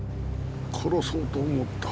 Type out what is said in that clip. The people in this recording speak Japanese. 殺そうと思った。